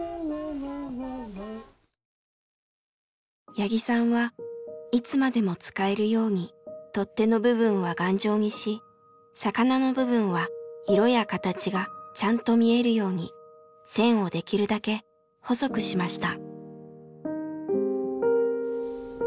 八木さんはいつまでも使えるように取っ手の部分は頑丈にし魚の部分は色や形がちゃんと見えるように線をできるだけ細くしました。